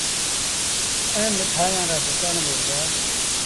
ائيٚݩ مٺآيآن رآ دُڪآن با هُݩدآ۔